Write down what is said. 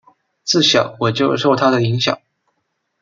自小我就受他的影响